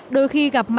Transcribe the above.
đôi khi gặp mạch máu